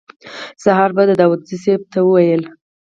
سهار به داوودزي صیب ته ویل.